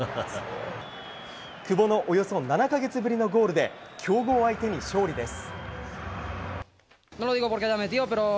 久保のおよそ７か月ぶりのゴールで強豪相手に勝利です。